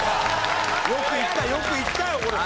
よくいったよくいったよこれ。